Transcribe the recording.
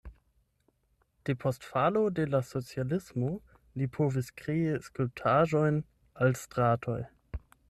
Depost falo de la socialismo li povis krei skulptaĵojn al stratoj.